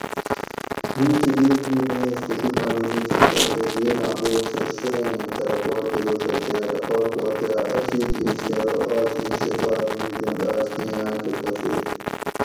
میش کہ گیل میڄ نہ ییںش خو شوکانیل ایساں قصد دہ گیلاۤن بوک سہ شہ ایں تھرپاۤر کروڛت تے اۤ ٹقار پا کاۤ اۤشیک ایس کہ ارو آج ایں شہ باۤر میڄ ینت آس کیں آکہ پاچیت